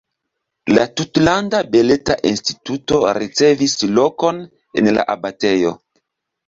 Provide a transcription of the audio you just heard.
La Tutlanda Baleta Instituto ricevis lokon en la abatejo.